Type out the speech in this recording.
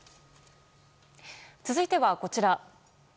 続いては、こちら。